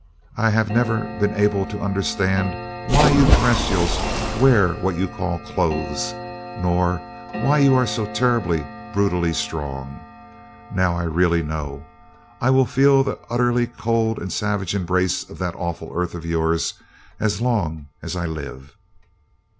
I have never been able to understand why you Terrestrials wear what you call 'clothes,' nor why you are so terribly, brutally strong. Now I really know I will feel the utterly cold and savage embrace of that awful earth of yours as long as I live!"